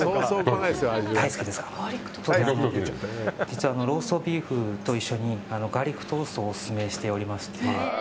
実はローストビーフと一緒にガーリックトーストをオススメしておりまして。